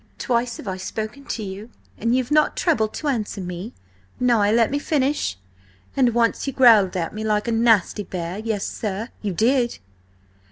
Twice have I spoken to you and you've not troubled to answer me–nay, let me finish! And once you growled at me like a nasty bear! Yes, sir, you did!"